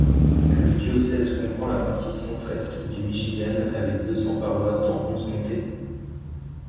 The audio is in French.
Le diocèse comprend la partie centre-est du Michigan avec cent-deux paroisses dans onze comtés.